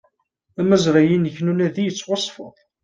Amazray-inek n unadi yettwasfed